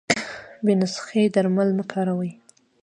بې نسخي درمل مه کاروی